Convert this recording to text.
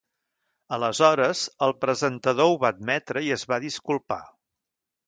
Aleshores, el presentador ho va admetre i es va disculpar.